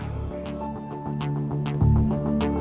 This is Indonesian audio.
pidana penjara dua belas tahun